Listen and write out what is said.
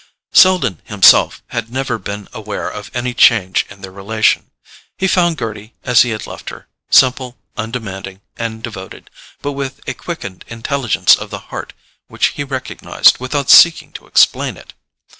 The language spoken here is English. Selden himself had never been aware of any change in their relation. He found Gerty as he had left her, simple, undemanding and devoted, but with a quickened intelligence of the heart which he recognized without seeking to explain it.